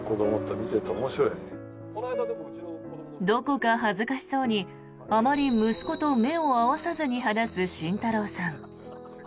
どこか恥ずかしそうにあまり息子と目を合わさずに話す慎太郎さん。